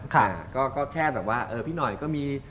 ก็แค่แบบว่าพี่หน่อยก็มี